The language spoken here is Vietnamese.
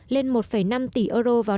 lên một năm tỷ euro vào